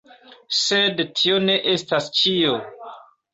Sed tio ne estas ĉio!